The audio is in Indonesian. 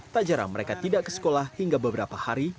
tak jarang mereka tidak ke sekolah hingga beberapa hari